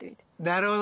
なるほど！